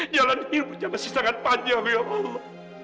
jalan ilmunya masih sangat panjang ya allah